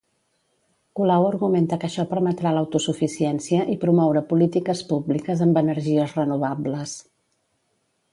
Colau argumenta que això permetrà l'autosuficiència i promoure polítiques públiques amb energies renovables.